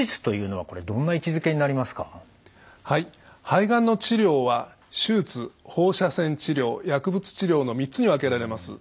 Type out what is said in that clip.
はい肺がんの治療は手術放射線治療薬物治療の３つに分けられます。